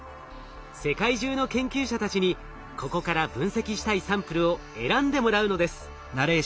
世界中の研究者たちにここから分析したいサンプルを選んでもらうのです。